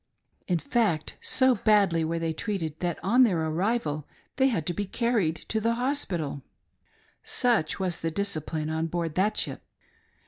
In fact, so badly were they treated that on their arrival they had to be carried to the hospital Such was the "discipline" on board that ship.